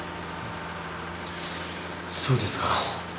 そうですか。